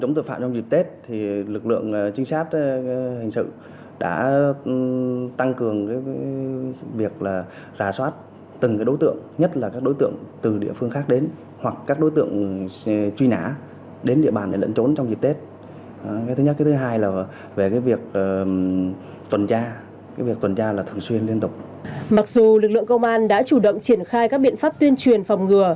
mặc dù lực lượng công an đã chủ động triển khai các biện pháp tuyên truyền phòng ngừa